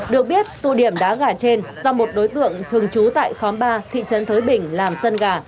được biết tụ điểm đá gà trên do một đối tượng thường trú tại khóm ba thị trấn thới bình làm sân gà